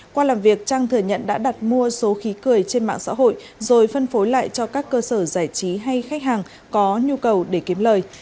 qua làm việc trang thừa nhận đã đặt mua số khí cười trên mạng xã hội rồi phân phối lại cho các cơ sở giải trí hay khách hàng có nhu cầu để kiếm lời